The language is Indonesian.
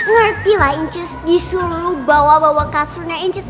ngerti lah incus disuruh bawa bawa kasurnya incus